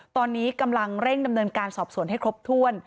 ตอนนี้กำลังเร่งดำเนินการสอบสวนให้ครบถ้วน